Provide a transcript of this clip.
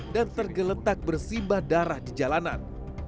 dan tergeletak bersibah darah di jalanan